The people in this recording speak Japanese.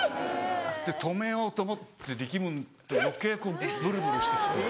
止めようと思って力むと余計こうブルブルしてきて。